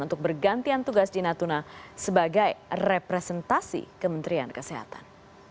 untuk bergantian tugas di natuna sebagai representasi kementerian kesehatan